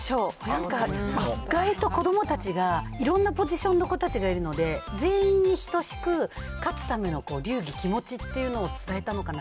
なんか意外と子どもたちが、いろんなポジションの子たちがいるので、全員に等しく勝つための流儀、気持ちっていうのを伝えたのかな。